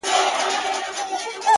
• ښکاري هم کرار کرار ورغی پلی ,